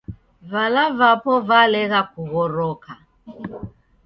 Vala vapo valegha kughproka